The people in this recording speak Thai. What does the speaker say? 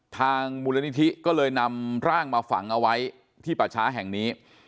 ทางมูลนิธิก็เลยนำร่างมาฝังเอาไว้ที่ป่าช้าแห่งนี้